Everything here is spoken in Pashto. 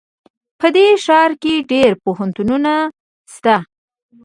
په دې ښار کې ډېر پوهنتونونه شته